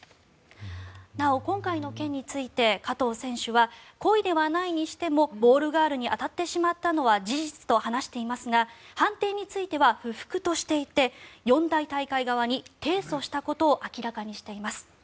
なお、今回の件について加藤選手は故意ではないにしてもボールガールに当たってしまったのは事実と話していますが判定については不服としていて四大大会側に提訴したことを明らかにしています。